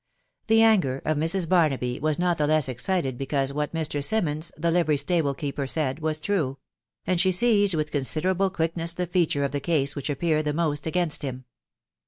The anger of Mrs. Barnaby was not the less excited because what Mr, Simmons, the livery stable keeper, said was true ; a A 4» S60 THE WIDOW BARNAJfT. and she seized with considerable quickness the featnre cvf tin case which appeared the most against him.